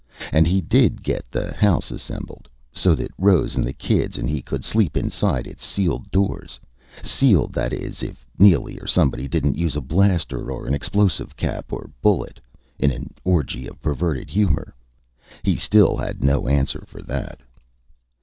And he did get the house assembled so that Rose and the kids and he could sleep inside its sealed doors. Sealed, that is, if Neely or somebody didn't use a blaster or an explosive cap or bullet in an orgy of perverted humor.... He still had no answer for that.